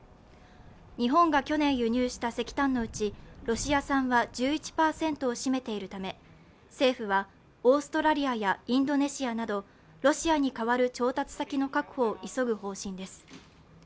日本が去年輸入した石炭のうちロシア産は１１％を占めているため政府はオーストラリアやインドネシアなどロシアに替わる調達先の確保を急ぐ方針です。